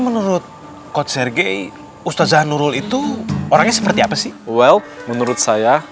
menurut coach rg ustazah nurul itu orangnya seperti apa sih well menurut saya